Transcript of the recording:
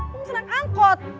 gue misalnya ke angkot